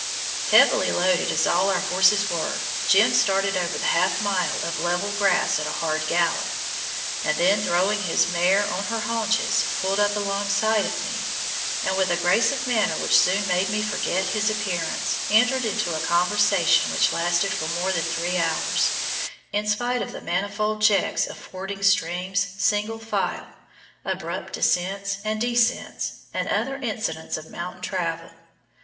Heavily loaded as all our horses were, "Jim" started over the half mile of level grass at a hard gallop, and then throwing his mare on her haunches, pulled up alongside of me, and with a grace of manner which soon made me forget his appearance, entered into a conversation which lasted for more than three hours, in spite of the manifold checks of fording streams, single file, abrupt ascents and descents, and other incidents of mountain travel.